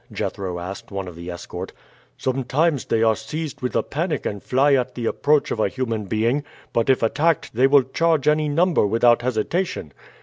Jethro asked one of the escort. "Sometimes they are seized with a panic and fly at the approach of a human being; but if attacked they will charge any number without hesitation."